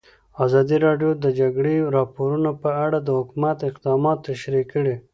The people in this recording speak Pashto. ازادي راډیو د د جګړې راپورونه په اړه د حکومت اقدامات تشریح کړي.